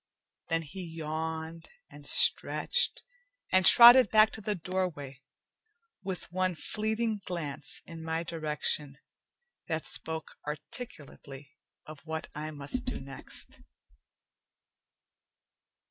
Then he yawned and stretched, and trotted back to the doorway, with one fleeting glance in my direction that spoke articulately of what I must do next.